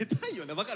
分かる！